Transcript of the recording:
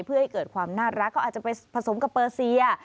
เพื่อให้เกิดความน่ารักเขาอาจจะไปผสมกับเปอร์เซีย